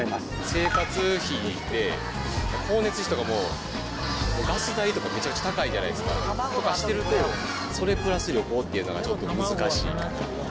生活費で光熱費とかも、ガス代とかめちゃくちゃ高いじゃないですか、とかしてると、それプラス旅行っていうのがちょっと難しいかなと。